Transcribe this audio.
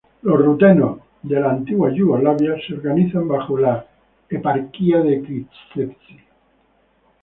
Los rutenos de la antigua Yugoslavia se organizan bajo la Eparquía de Križevci.